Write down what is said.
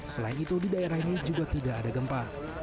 selain itu di daerah ini juga tidak ada gempa